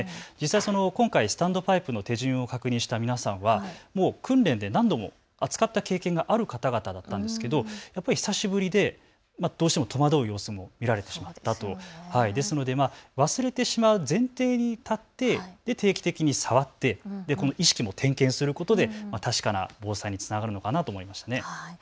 今回、スタンドパイプの手順を確認した皆さんは訓練で何度も扱った経験がある方々だったんですけれども、久しぶりでどうしても戸惑う様子も見られてしまったと、忘れてしまう前提に立って定期的に触って意識も点検することで確かな防災につながるのかなと思いました。